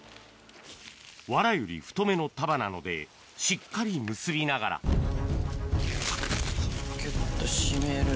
ワラより太めの束なのでしっかり結びながらぎゅっと締める。